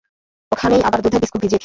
ওখানেই আবার দুধে বিস্কুট ভিজিয়ে খেয়ো।